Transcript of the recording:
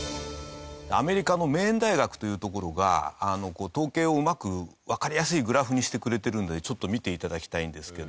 アメリカのメイン大学という所が統計をうまくわかりやすいグラフにしてくれてるのでちょっと見て頂きたいんですけど。